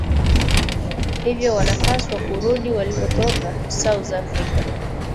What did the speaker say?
hivyo wanapaswa kurudi walipotoka, south africa